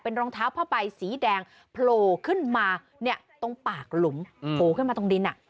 เป็นรองเท้าผ้าใบสีแดงโผล่ขึ้นมาตรงปากหลุมโผล่ขึ้นมาตรงดิน